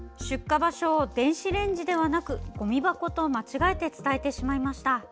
出火場所を電子レンジではなくごみ箱と間違えて伝えてしまいました。